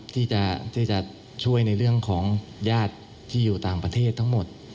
ที่จะช่วยในเรื่องของญาติที่อยู่ต่างประเทศทั้งหมด